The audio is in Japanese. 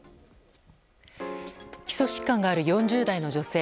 基礎疾患がある４０代の女性。